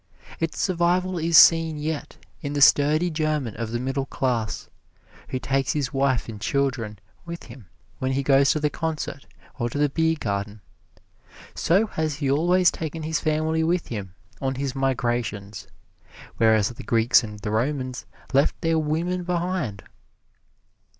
Its survival is seen yet in the sturdy German of the middle class, who takes his wife and children with him when he goes to the concert or to the beer garden. So has he always taken his family with him on his migrations; whereas the Greeks and the Romans left their women behind.